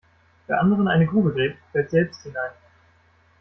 Wer anderen eine Grube gräbt fällt selbst hinein.